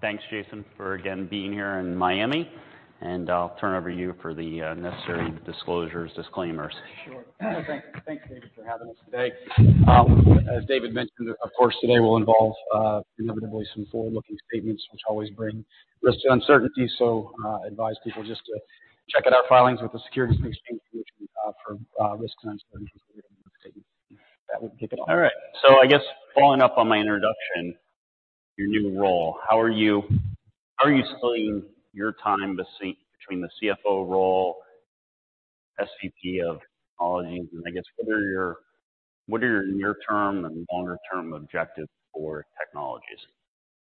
Thanks, Jason, for again being here in Miami, and I'll turn over you for the necessary disclosures, disclaimers. Sure. Thank you. Thank you, David, for having us today. As David mentioned, of course, today will involve, inevitably some forward-looking statements which always bring risks and uncertainties. Advise people just to check out our filings with the Securities and Exchange Commission, for risk and uncertainty statements. With that, we can kick it off. All right. I guess following up on my introduction, your new role, how are you splitting your time between the CFO role, SVP of Technologies, and I guess, what are your near-term and longer term objectives for Technologies?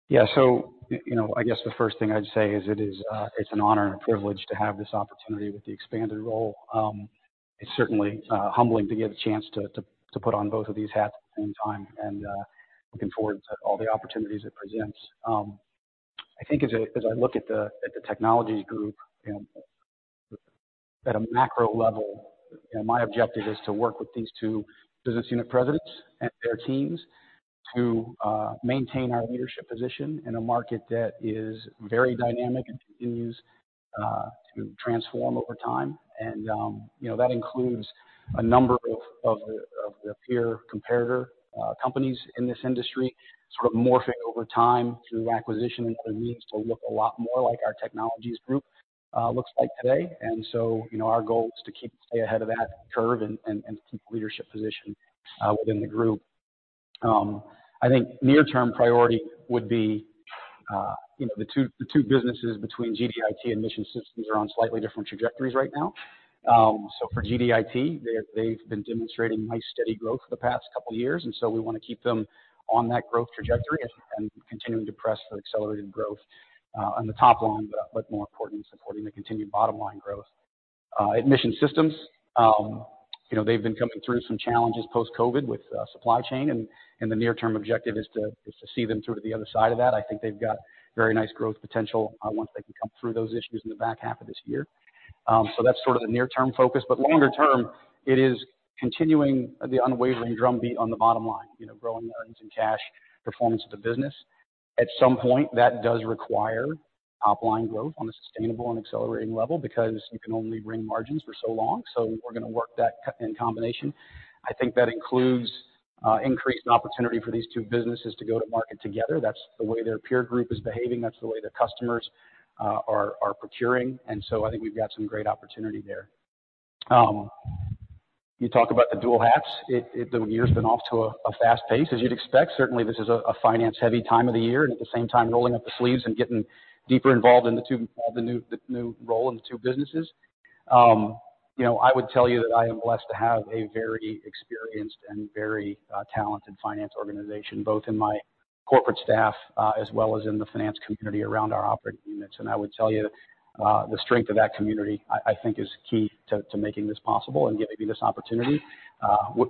You know, I guess the first thing I'd say is it is, it's an honor and a privilege to have this opportunity with the expanded role. It's certainly, humbling to get a chance to put on both of these hats at the same time and looking forward to all the opportunities it presents. I think as I look at the Technologies group, you know, at a macro level, you know, my objective is to work with these two business unit presidents and their teams to maintain our leadership position in a market that is very dynamic and continues to transform over time. You know, that includes a number of the peer comparator companies in this industry sort of morphing over time through acquisition and other means to look a lot more like our Technologies group looks like today. You know, our goal is to keep stay ahead of that curve and keep leadership position within the group. I think near term priority would be, you know, the two businesses between GDIT and Mission Systems are on slightly different trajectories right now. For GDIT, they've been demonstrating nice steady growth for the past couple of years, so we wanna keep them on that growth trajectory and continuing to press for accelerated growth on the top line, but more importantly, supporting the continued bottom-line growth. At Mission Systems, you know, they've been coming through some challenges post-COVID with supply chain, and the near-term objective is to see them through to the other side of that. I think they've got very nice growth potential once they can come through those issues in the back half of this year. That's sort of the near-term focus. Longer term, it is continuing the unwavering drumbeat on the bottom line, you know, growing earnings and cash performance of the business. At some point, that does require top line growth on a sustainable and accelerating level because you can only wring margins for so long. We're gonna work that in combination. I think that includes increased opportunity for these two businesses to go to market together. That's the way their peer group is behaving, that's the way their customers are procuring. I think we've got some great opportunity there. You talk about the dual hats. The year's been off to a fast pace as you'd expect. Certainly, this is a finance-heavy time of the year, at the same time, rolling up the sleeves and getting deeper involved in the new role in the two businesses. You know, I would tell you that I am blessed to have a very experienced and very talented finance organization, both in my corporate staff, as well as in the finance community around our operating units. I would tell you, the strength of that community, I think is key to making this possible and giving me this opportunity.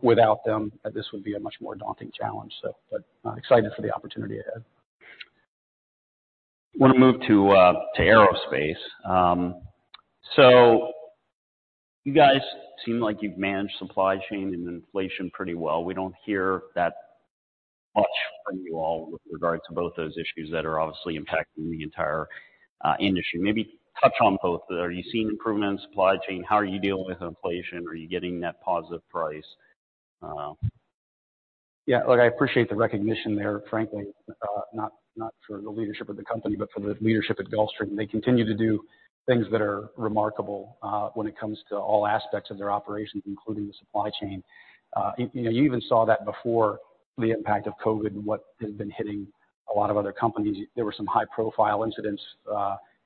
without them, this would be a much more daunting challenge. Excited for the opportunity ahead. I wanna move to Aerospace. You guys seem like you've managed supply chain and inflation pretty well. We don't hear that much from you all with regards to both those issues that are obviously impacting the entire industry. Maybe touch on both. Are you seeing improvement in supply chain? How are you dealing with inflation? Are you getting net positive price? Yeah, look, I appreciate the recognition there, frankly, not for the leadership of the company, but for the leadership at Gulfstream. They continue to do things that are remarkable, when it comes to all aspects of their operations, including the supply chain. You know, you even saw that before the impact of COVID and what has been hitting a lot of other companies. There were some high-profile incidents,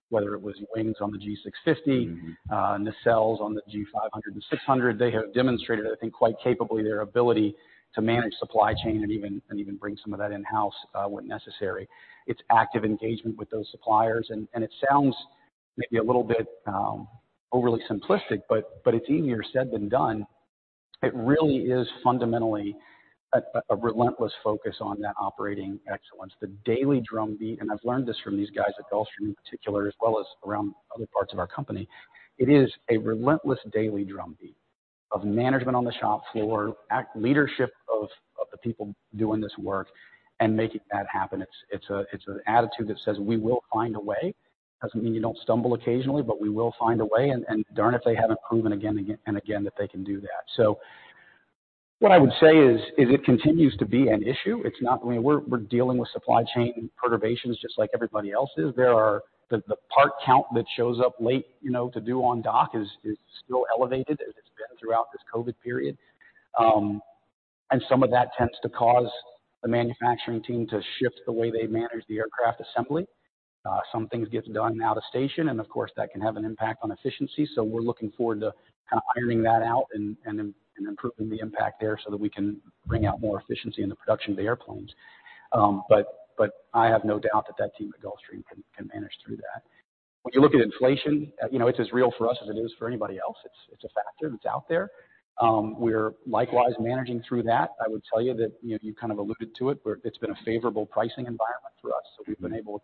whether it was wings on the G650. Mm-hmm. Nacelles on the G500 and G600. They have demonstrated, I think, quite capably, their ability to manage supply chain and even bring some of that in-house when necessary. It's active engagement with those suppliers. It sounds maybe a little bit overly simplistic, but it's easier said than done. It really is fundamentally a relentless focus on that operating excellence. The daily drumbeat, I've learned this from these guys at Gulfstream in particular, as well as around other parts of our company. It is a relentless daily drumbeat of management on the shop floor, a leadership of the people doing this work and making that happen. It's an attitude that says, "We will find a way." Doesn't mean you don't stumble occasionally, but we will find a way. Darn if they haven't proven again and again that they can do that. What I would say is, it continues to be an issue. I mean, we're dealing with supply chain perturbations just like everybody else is. The part count that shows up late, you know, to due on dock is still elevated as it's been throughout this COVID period. Some of that tends to cause the manufacturing team to shift the way they manage the aircraft assembly. Some things get done out of station, and of course, that can have an impact on efficiency. We're looking forward to kind of ironing that out and improving the impact there so that we can wring out more efficiency in the production of the airplanes. I have no doubt that that team at Gulfstream can manage through that. When you look at inflation, you know, it's as real for us as it is for anybody else. It's a factor that's out there. We're likewise managing through that. I would tell you that, you know, you kind of alluded to it's been a favorable pricing environment for us, so we've been able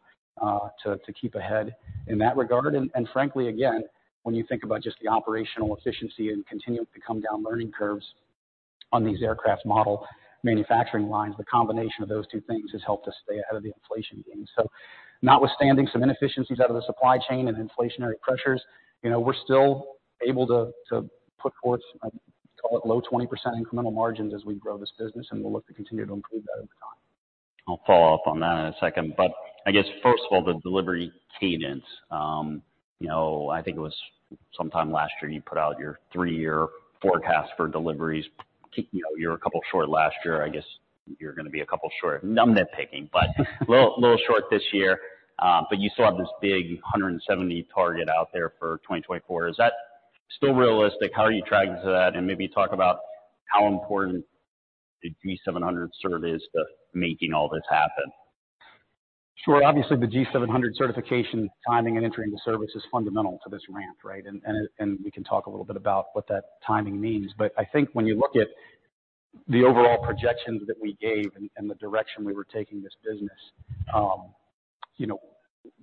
to keep ahead in that regard. Frankly, again, when you think about just the operational efficiency and continuing to come down learning curves on these aircraft model manufacturing lines, the combination of those two things has helped us stay ahead of the inflation game. Notwithstanding some inefficiencies out of the supply chain and inflationary pressures, you know, we're still able to put forth, call it low 20% incremental margins as we grow this business, and we'll look to continue to improve that over time. I'll follow up on that in a second. I guess first of all, the delivery cadence. You know, I think it was sometime last year you put out your three-year forecast for deliveries. You know, you're a couple short last year. I guess you're going to be a couple short. I'm nitpicking, little short this year. You still have this big 170 target out there for 2024. Is that still realistic? How are you tracking to that? Maybe talk about how important the G700 cert is to making all this happen. Sure. Obviously, the G700 certification timing and entering the service is fundamental to this ramp, right? We can talk a little bit about what that timing means. I think when you look at the overall projections that we gave and the direction we were taking this business, you know,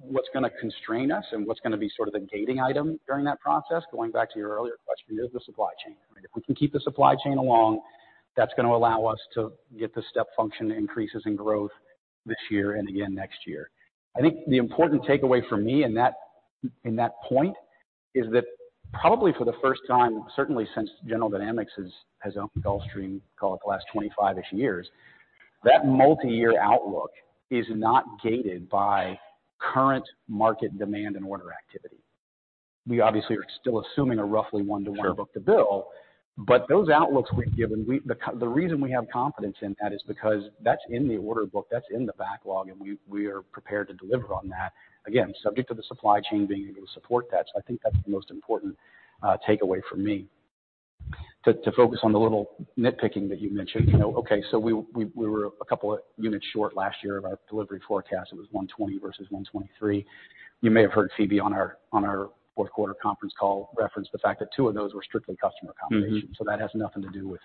what's going to constrain us and what's going to be sort of the gating item during that process, going back to your earlier question, is the supply chain. If we can keep the supply chain along, that's going to allow us to get the step function increases in growth this year and again next year. I think the important takeaway for me in that, in that point is that probably for the first time, certainly since General Dynamics has owned Gulfstream, call it the last 25-ish years, that multi-year outlook is not gated by current market demand and order activity. We obviously are still assuming a roughly one to one. Sure. Book to bill. But those outlooks we've given, the reason we have confidence in that is because that's in the order book, that's in the backlog, and we are prepared to deliver on that. Again, subject to the supply chain being able to support that. I think that's the most important takeaway for me. To focus on the little nitpicking that you mentioned. You know, okay, so we were a couple of units short last year of our delivery forecast. It was 120 versus 123. You may have heard Phebe on our fourth quarter conference call reference the fact that two of those were strictly customer accommodations. Mm-hmm. That has nothing to do with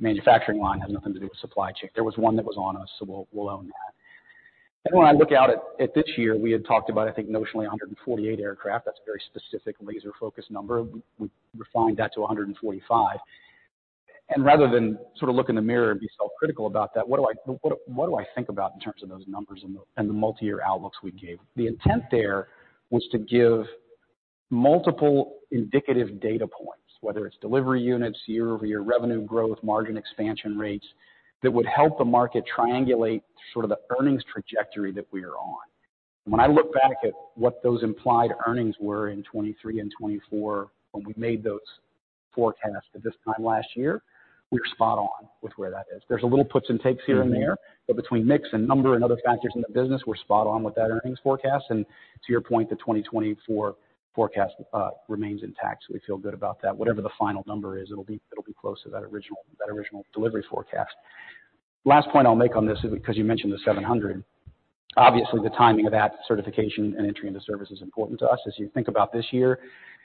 manufacturing line, has nothing to do with supply chain. There was one that was on us, we'll own that. When I look out at this year, we had talked about I think notionally 148 aircraft. That's a very specific laser-focused number. We refined that to 145. Rather than sort of look in the mirror and be self-critical about that, what do I think about in terms of those numbers and the, and the multi-year outlooks we gave? The intent there was to give multiple indicative data points, whether it's delivery units, year-over-year revenue growth, margin expansion rates, that would help the market triangulate sort of the earnings trajectory that we are on. When I look back at what those implied earnings were in 2023 and 2024 when we made those forecasts at this time last year, we're spot on with where that is. There's a little puts and takes here and there. Mm-hmm. Between mix and number and other factors in the business, we're spot on with that earnings forecast. To your point, the 2024 forecast remains intact. We feel good about that. Whatever the final number is, it'll be close to that original delivery forecast. Last point I'll make on this is because you mentioned the G700. Obviously, the timing of that certification and entry into service is important to us. As you think about this year,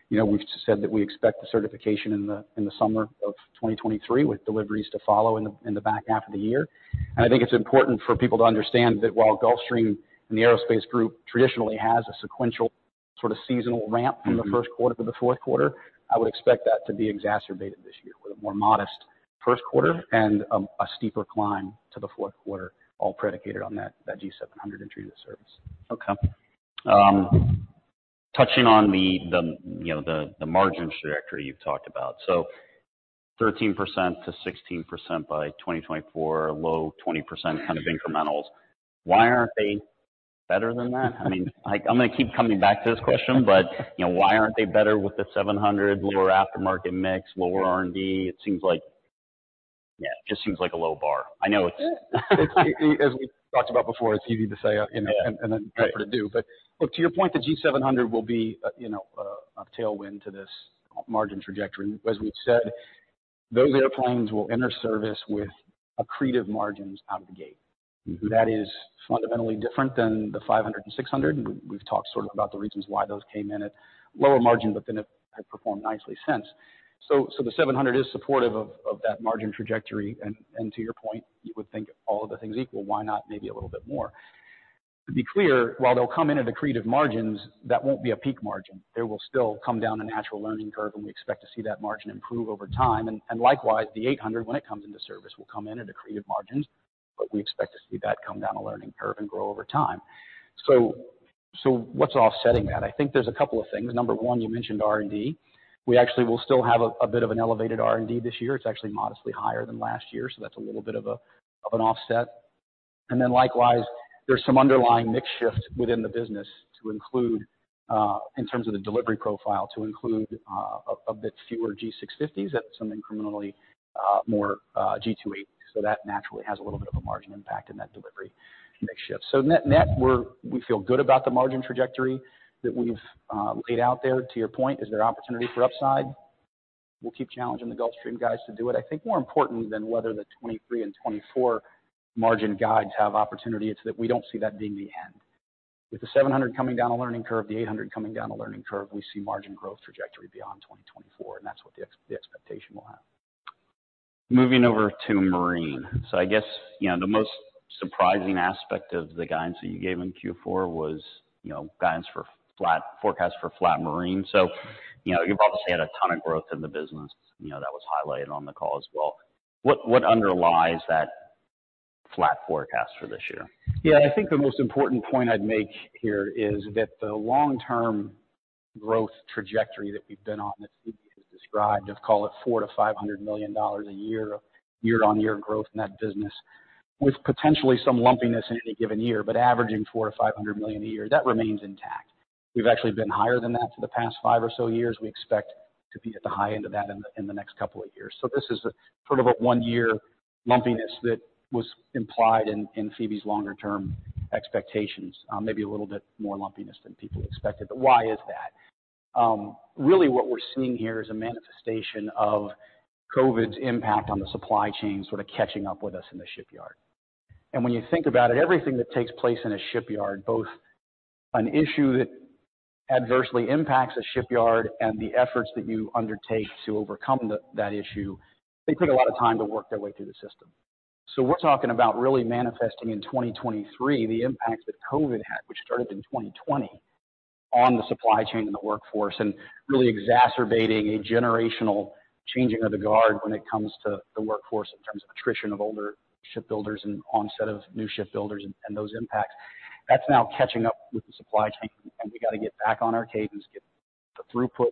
you know, we've said that we expect the certification in the, in the summer of 2023, with deliveries to follow in the, in the back half of the year. I think it's important for people to understand that while Gulfstream and the Aerospace group traditionally has a sequential sort of seasonal ramp from the first quarter to the fourth quarter, I would expect that to be exacerbated this year with a more modest first quarter and a steeper climb to the fourth quarter, all predicated on that G700 entry into service. Okay. Touching on the, you know, the margin trajectory you've talked about. 13%-16% by 2024, low 20% kind of incrementals. Why aren't they better than that? I mean, I'm going to keep coming back to this question, but, you know, why aren't they better with the G700 lower aftermarket mix, lower R&D? It just seems like a low bar. Yeah. It's, as we've talked about before, it's easy to say, you know. Yeah. Right. Tougher to do. Look, to your point, the G700 will be, you know, a tailwind to this margin trajectory. As we've said, those airplanes will enter service with accretive margins out of the gate. Mm-hmm. That is fundamentally different than the G500 and G600. We've talked sort of about the reasons why those came in at lower margin, but then have performed nicely since. The G700 is supportive of that margin trajectory. To your point, you would think all other things equal, why not maybe a little more? To be clear, while they'll come in at accretive margins, that won't be a peak margin. They will still come down the natural learning curve, and we expect to see that margin improve over time. Likewise, the G800, when it comes into service, will come in at accretive margins, but we expect to see that come down a learning curve and grow over time. What's offsetting that? I think there's a couple of things. Number one, you mentioned R&D. We actually will still have a bit of an elevated R&D this year. It's actually modestly higher than last year, that's a little bit of an offset. Likewise, there's some underlying mix shift within the business to include in terms of the delivery profile, to include a bit fewer G650s at some incrementally more G280s. That naturally has a little bit of a margin impact in that delivery mix shift. Net, net, we feel good about the margin trajectory that we've laid out there. To your point, is there opportunity for upside? We'll keep challenging the Gulfstream guys to do it. I think more important than whether the 2023 and 2024 margin guides have opportunity, it's that we don't see that being the end. With the G700 coming down a learning curve, the G800 coming down a learning curve, we see margin growth trajectory beyond 2024, and that's what the expectation we'll have. Moving over to Marine. I guess, you know, the most surprising aspect of the guidance that you gave in Q4 was, you know, guidance for flat forecast for flat Marine. You know, you've obviously had a ton of growth in the business, you know, that was highlighted on the call as well. What underlies that flat forecast for this year? Yeah, I think the most important point I'd make here is that the long term growth trajectory that we've been on, that Phebe has described of, call it $400 million-$500 million a year-on-year growth in that business, with potentially some lumpiness in any given year, but averaging $400 million-$500 million a year, that remains intact. We've actually been higher than that for the past five or so years. We expect to be at the high end of that in the next couple of years. This is sort of a one year lumpiness that was implied in Phebe's longer term expectations, maybe a little bit more lumpiness than people expected. Why is that? Really what we're seeing here is a manifestation of COVID's impact on the supply chain sort of catching up with us in the shipyard. When you think about it, everything that takes place in a shipyard, both an issue that adversely impacts a shipyard and the efforts that you undertake to overcome that issue, they take a lot of time to work their way through the system. We're talking about really manifesting in 2023 the impact that COVID had, which started in 2020, on the supply chain and the workforce, and really exacerbating a generational changing of the guard when it comes to the workforce in terms of attrition of older shipbuilders and onset of new shipbuilders and those impacts. That's now catching up with the supply chain. We got to get back on our cadence, get the throughput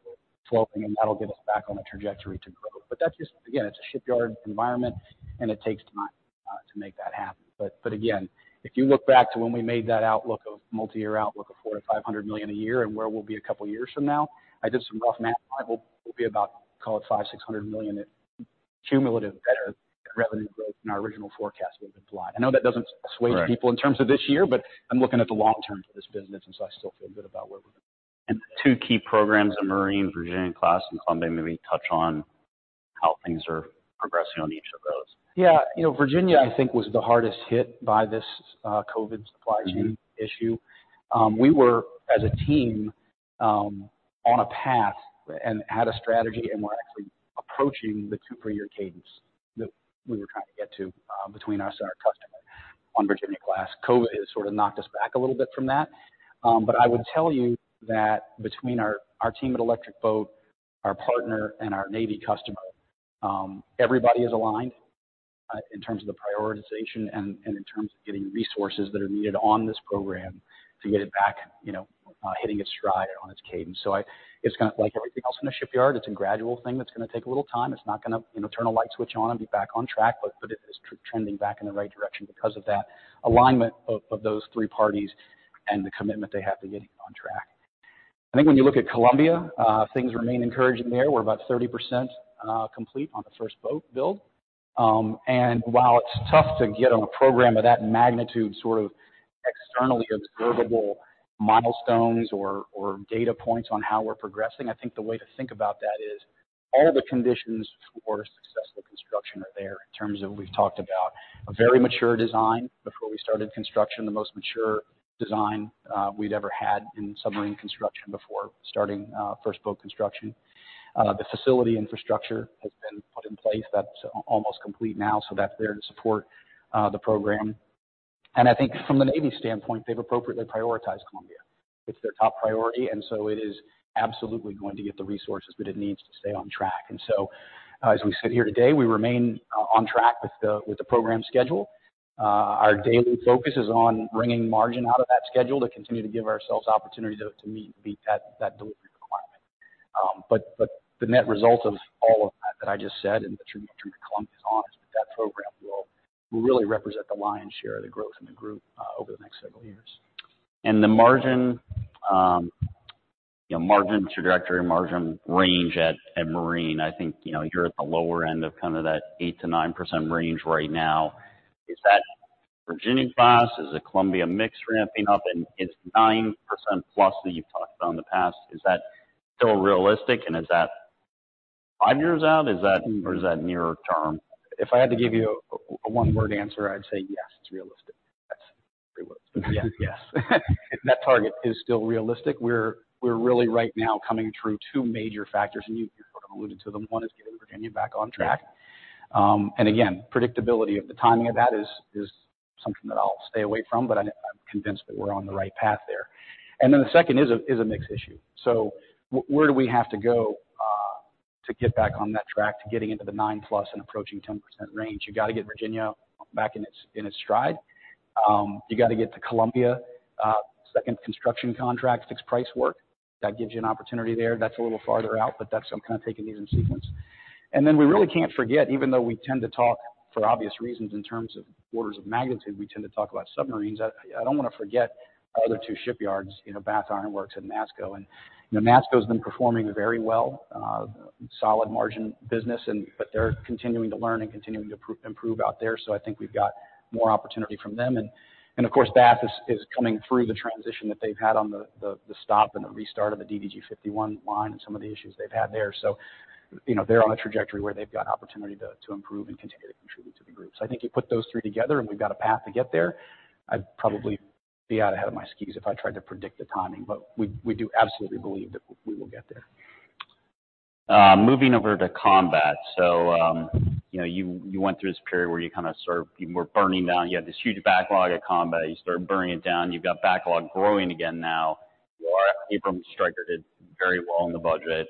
flowing, and that'll get us back on a trajectory to growth. That's just, again, it's a shipyard environment, and it takes time to make that happen. Again, if you look back to when we made that multi-year outlook of $400 million-$500 million a year and where we'll be a couple of years from now, I did some rough math. We'll be about, call it $500 million-$600 million at cumulative better revenue growth than our original forecast would have implied. I know that doesn't sway people in terms of this year. I'm looking at the long term for this business. I still feel good about where we're going. The two key programs of Marine, Virginia-class and Columbia-class, maybe touch on how things are progressing on each of those. Yeah. You know, Virginia, I think, was the hardest hit by this COVID supply chain issue. We were, as a team, on a path and had a strategy, and we're actually approaching the two per year cadence that we were trying to get to between us and our customer on Virginia-class. COVID has sort of knocked us back a little bit from that. I would tell you that between our team at Electric Boat, our partner and our Navy customer, everybody is aligned in terms of the prioritization and in terms of getting resources that are needed on this program to get it back, you know, hitting its stride on its cadence. It's kinda like everything else in the shipyard. It's a gradual thing that's gonna take a little time. It's not gonna, you know, turn a light switch on and be back on track, but it is trending back in the right direction because of that alignment of those three parties and the commitment they have to getting on track. I think when you look at Columbia, things remain encouraging there. We're about 30% complete on the first boat build. While it's tough to get on a program of that magnitude, sort of externally observable milestones or data points on how we're progressing, I think the way to think about that is all the conditions for successful construction are there in terms of we've talked about a very mature design before we started construction, the most mature design we'd ever had in submarine construction before starting first boat construction. The facility infrastructure has been put in place. That's almost complete now, so that's there to support the program. I think from the Navy standpoint, they've appropriately prioritized Columbia. It's their top priority. It is absolutely going to get the resources that it needs to stay on track. As we sit here today, we remain on track with the program schedule. Our daily focus is on wringing margin out of that schedule to continue to give ourselves opportunity to meet that delivery requirement. But the net result of all of that that I just said, and the tribute to Columbia is honest, but that program will really represent the lion's share of the growth in the group over the next several years. The margin, you know, margin trajectory, margin range at Marine, I think, you know, you're at the lower end of kind of that 8%-9% range right now. Is that Virginia-class? Is it Columbia-class mix ramping up? Is 9%+ that you've talked about in the past, is that still realistic, and is that five years out, or is that nearer term? If I had to give you a one word answer, I'd say yes, it's realistic. That's three words. Yes. That target is still realistic. We're really right now coming through two major factors, and you sort of alluded to them. One is getting Virginia back on track. And again, predictability of the timing of that is something that I'll stay away from, but I'm convinced that we're on the right path there. The second is a mix issue. Where do we have to go to get back on that track to getting into the 9%+ and approaching 10% range? You got to get Virginia back in its stride. You got to get to Columbia-class second construction contract, fixed price work. That gives you an opportunity there. That's a little farther out, but that's I'm kind of taking these in sequence. Then we really can't forget, even though we tend to talk for obvious reasons, in terms of orders of magnitude, we tend to talk about submarines. I don't want to forget our other two shipyards, you know, Bath Iron Works and NASSCO. You know, NASSCO's been performing very well, solid margin business but they're continuing to learn and continuing to improve out there. I think we've got more opportunity from them. Of course, Bath is coming through the transition that they've had on the stop and the restart of the DDG-51 line and some of the issues they've had there. You know, they're on a trajectory where they've got opportunity to improve and continue to contribute to the group. I think you put those three together, and we've got a path to get there. I'd probably be out ahead of my skis if I tried to predict the timing, but we do absolutely believe that we will get there. Moving over to Combat. You know, you went through this period where you kind of sort of, you were burning down. You had this huge backlog at Combat, you started burning it down. You've got backlog growing again now. Your Abrams Stryker did very well in the budget.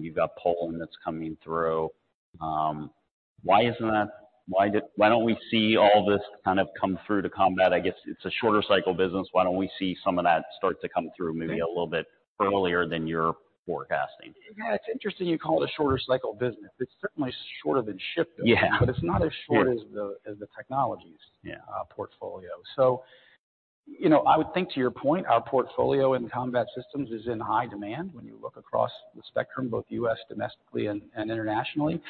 You've got Poland that's coming through. Why don't we see all this kind of come through to Combat? I guess it's a shorter cycle business. Why don't we see some of that start to come through maybe a little bit earlier than you're forecasting? Yeah, it's interesting you call it a shorter cycle business. It's certainly shorter than shipbuilding. Yeah. It's not as short as the technologies. Yeah. Portfolio. You know, I would think to your point, our portfolio in combat systems is in high demand when you look across the spectrum, both U.S. domestically and internationally.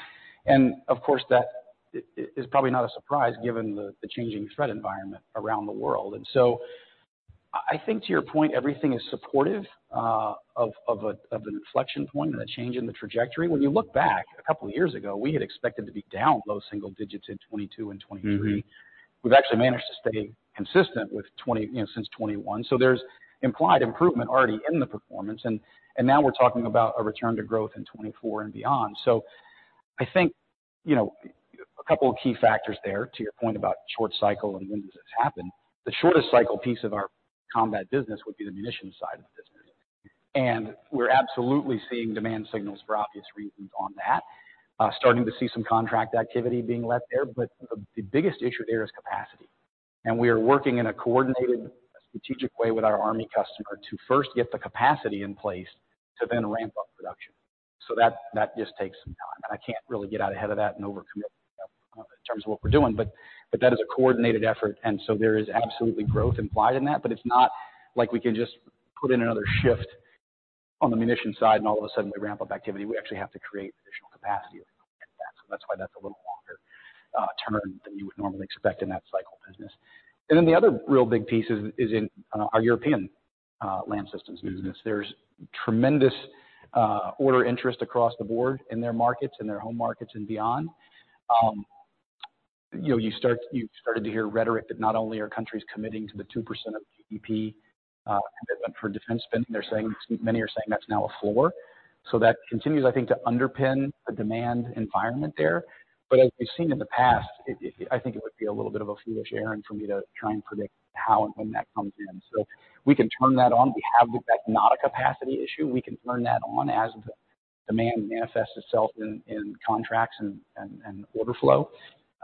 Of course, that is probably not a surprise given the changing threat environment around the world. I think to your point, everything is supportive of an inflection point and a change in the trajectory. When you look back a couple of years ago, we had expected to be down low single digits in 2022 and 2023. Mm-hmm. We've actually managed to stay consistent with 20, you know, since 2021. There's implied improvement already in the performance. Now we're talking about a return to growth in 2024 and beyond. I think, you know, a couple of key factors there, to your point about short cycle and when does this happen? The shortest cycle piece of our combat business would be the munition side of the business, and we're absolutely seeing demand signals for obvious reasons on that. Starting to see some contract activity being let there. The biggest issue there is capacity. We are working in a coordinated, strategic way with our Army customer to first get the capacity in place to then ramp up production. That just takes some time, and I can't really get out ahead of that and overcommit in terms of what we're doing. That is a coordinated effort, and so there is absolutely growth implied in that. It's not like we can just put in another shift on the munition side and all of a sudden we ramp up activity. We actually have to create additional capacity to accommodate that. That's why that's a little longer term than you would normally expect in that cycle business. The other real big piece is in our European Land Systems business. There's tremendous order interest across the board in their markets, in their home markets and beyond. You know, you started to hear rhetoric that not only are countries committing to the 2% of GDP commitment for defense spending, many are saying that's now a 4%. That continues, I think, to underpin a demand environment there. As we've seen in the past, I think it would be a little bit of a foolish errand for me to try and predict how and when that comes in. We can turn that on. That's not a capacity issue. We can turn that on as demand manifests itself in contracts and order flow.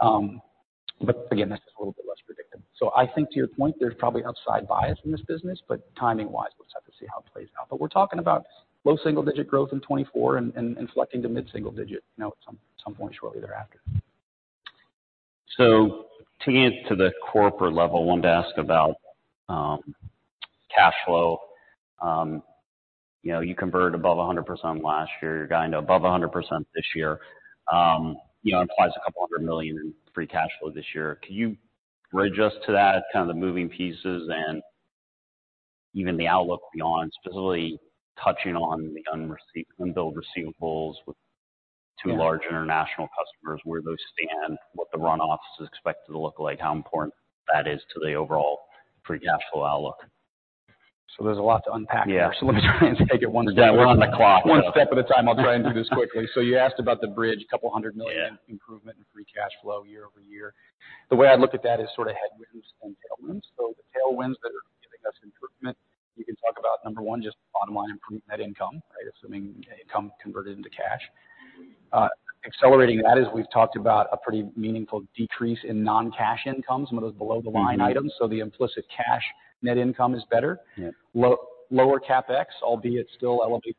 Again, that's just a little bit less predictable. I think to your point, there's probably upside bias in this business, but timing wise, we'll just have to see how it plays out. We're talking about low single digit growth in 2024 and inflecting to mid-single digit, you know, at some point shortly thereafter. Taking it to the corporate level, wanted to ask about cash flow. You know, you converted above 100% last year. You're guiding to above 100% this year. You know, implies $200 million in free cash flow this year. Can you bridge us to that, kind of the moving pieces and even the outlook beyond, specifically touching on the unbilled receivables with two large international customers, where those stand, what the run-off is expected to look like, how important that is to the overall free cash flow outlook? There's a lot to unpack there. Yeah. Let me try and take it one step. We're on the clock. One step at a time. I'll try and do this quickly. You asked about the bridge, couple hundred million. Yeah. Improvement in free cash flow year-over-year. The way I look at that is sort of headwinds and tailwinds. The tailwinds that are giving us improvement, you can talk about number one, just bottom line improvement, net income, right? Assuming income converted into cash. Accelerating that, as we've talked about, a pretty meaningful decrease in non-cash income, some of those below the line items. Mm-hmm. The implicit cash net income is better. Yeah. Lower CapEx, albeit still elevating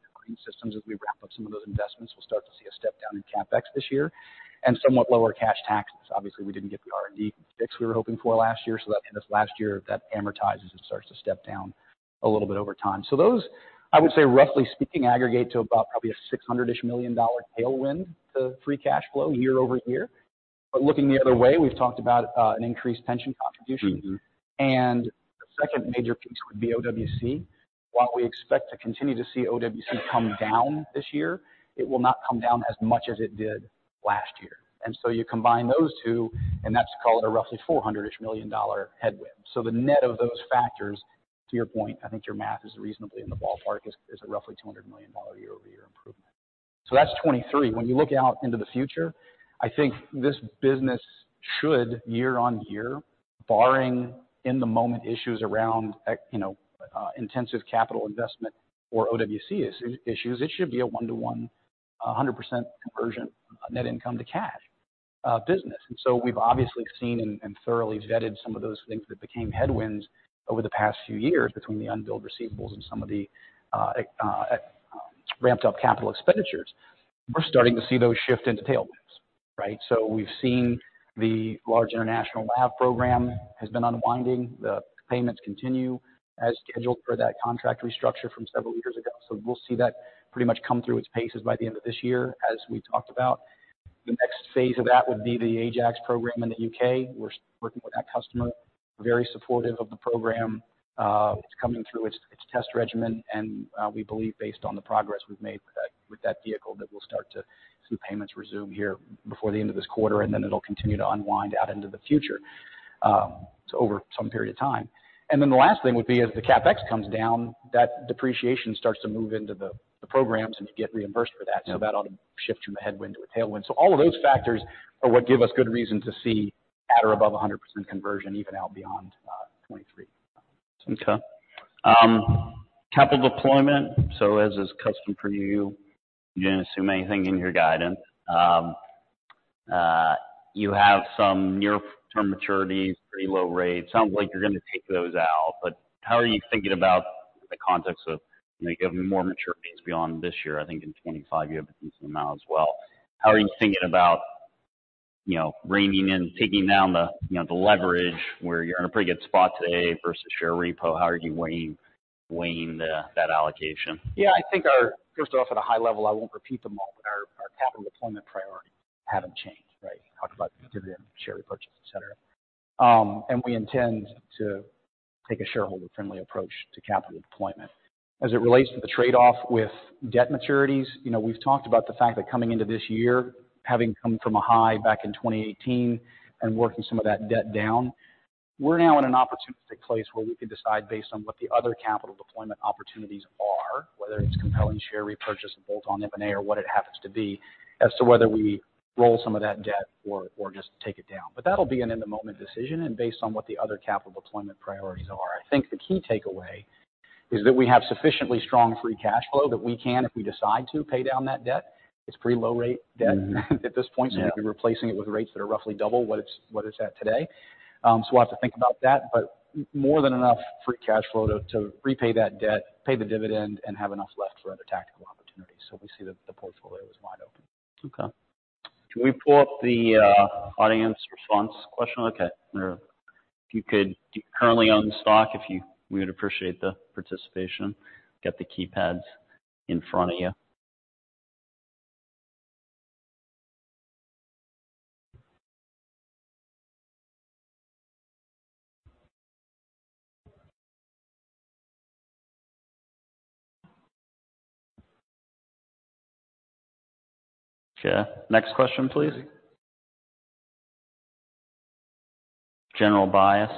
systems. As we wrap up some of those investments, we'll start to see a step down in CapEx this year and somewhat lower cash taxes. Obviously, we didn't get the R&D fix we were hoping for last year. That in this last year, that amortizes and starts to step down a little bit over time. Those, I would say, roughly speaking, aggregate to about probably a $600-ish million tailwind to free cash flow year-over-year. Looking the other way, we've talked about an increased pension contribution. Mm-hmm. The second major piece would be OWC. While we expect to continue to see OWC come down this year, it will not come down as much as it did last year. You combine those two, and that's called a roughly $400 million headwind. The net of those factors, to your point, I think your math is reasonably in the ballpark, is a roughly $200 million year-over-year improvement. So that's 2023. When you look out into the future, I think this business should year-on-year, barring in the moment issues around you know, intensive capital investment or OWC issues, it should be a one-to-one, 100% conversion net income to cash business. We've obviously seen and thoroughly vetted some of those things that became headwinds over the past few years between the unbilled receivables and some of the ramped up capital expenditures. We're starting to see those shift into tailwinds, right? We've seen the large international LAV program has been unwinding. The payments continue as scheduled for that contract restructure from several years ago. We'll see that pretty much come through its paces by the end of this year, as we talked about. The next phase of that would be the Ajax program in the U.K. We're working with that customer, very supportive of the program. It's coming through its test regimen, and we believe based on the progress we've made with that vehicle, that we'll start to see payments resume here before the end of this quarter, and then it'll continue to unwind out into the future, over some period of time. The last thing would be as the CapEx comes down, that depreciation starts to move into the programs, and you get reimbursed for that. Yeah. That ought to shift from a headwind to a tailwind. All of those factors are what give us good reason to see at or above 100% conversion even out beyond, 2023. Okay. Capital deployment. As is custom for you didn't assume anything in your guidance. You have some near-term maturities, pretty low rates. Sounds like you're gonna take those out, how are you thinking about the context of, like, you have more maturities beyond this year. I think in 2025 you have a decent amount as well. How are you thinking about, you know, reining in, taking down the, you know, the leverage where you're in a pretty good spot today versus share repo? How are you weighing that allocation? Yeah. I think our first off, at a high level, I won't repeat them all, but our capital deployment priorities haven't changed, right? Talked about the dividend, share repurchase, et cetera. We intend to take a shareholder-friendly approach to capital deployment. As it relates to the trade-off with debt maturities, you know, we've talked about the fact that coming into this year, having come from a high back in 2018 and working some of that debt down, we're now in an opportunistic place where we can decide based on what the other capital deployment opportunities are, whether it's compelling share repurchase, a bolt-on M&A or what it happens to be as to whether we roll some of that debt or just take it down. That'll be an in-the-moment decision and based on what the other capital deployment priorities are. I think the key takeaway is that we have sufficiently strong free cash flow that we can, if we decide to, pay down that debt. It's pretty low rate debt at this point. Yeah. We'd be replacing it with rates that are roughly double what it's at today. We'll have to think about that, but more than enough free cash flow to repay that debt, pay the dividend, and have enough left for other tactical opportunities. We see the portfolio as wide open. Can we pull up the audience response question? If you could, do you currently own the stock? We would appreciate the participation. Get the keypads in front of you. Next question, please. General bias.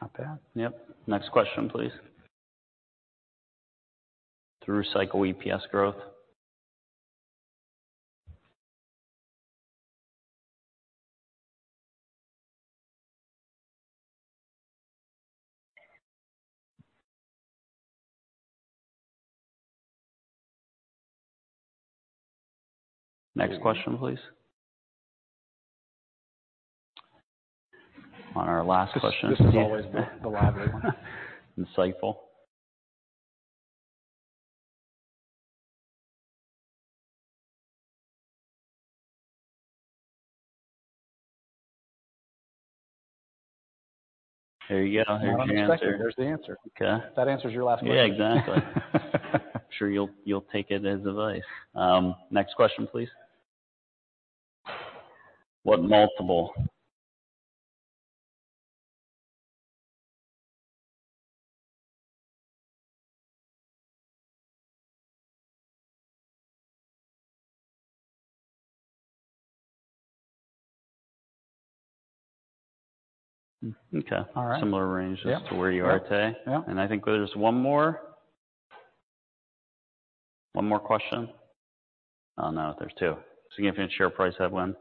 Not bad. Next question, please. Through cycle EPS growth. Next question, please. On our last question. This is always the lively one. Insightful. There you go. Here's your answer. Not unexpected. There's the answer. Okay. That answers your last question. Yeah, exactly. I'm sure you'll take it as advice. Next question, please. What multiple. Okay. All right. Similar ranges. Yeah. To where you are today. Yeah. I think there's one more. One more question. No, there's two. Significant share price headwind.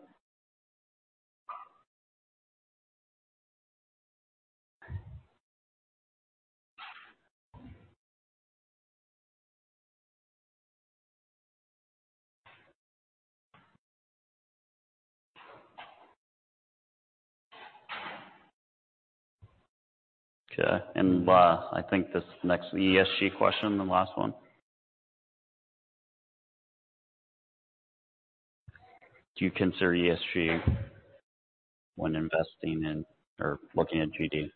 Okay. I think this next ESG question, the last one. Do you consider ESG when investing in or looking at GD?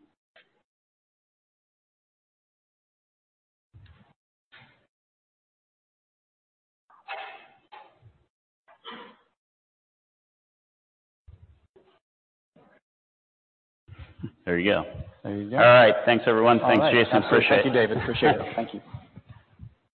There you go. There you go. All right. Thanks, everyone. All right. Thanks, Jason. Appreciate it. Thank you, David. Appreciate it. Thank you.